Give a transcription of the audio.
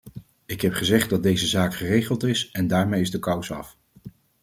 Ik heb gezegd dat de zaak geregeld is en daarmee is de kous af.